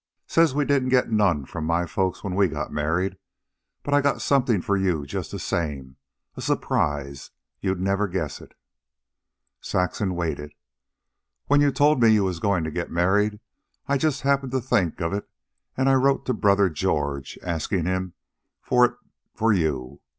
Says we didn't get none from my folks when we got married. But I got something for you just the same. A surprise. You'd never guess it." Saxon waited. "When you told me you was goin' to get married, I just happened to think of it, an' I wrote to brother George, askin' him for it for you.